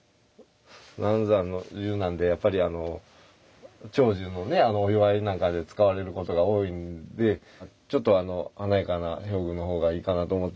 南山寿なんで長寿のねお祝いなんかで使われることが多いんでちょっと華やかな表具の方がいいかなと思って。